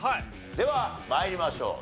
では参りましょう。